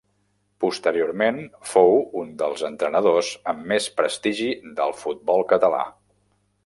Posteriorment fou un dels entrenadors amb més prestigi del futbol català.